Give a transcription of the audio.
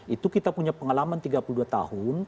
itu kita punya pengalaman tiga puluh dua tahun